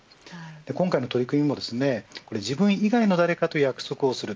今回の取り組みも自分以外の誰かと約束をする